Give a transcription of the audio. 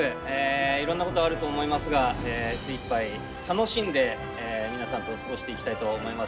いろんなことあると思いますが精いっぱい楽しんで皆さんと過ごしていきたいと思います。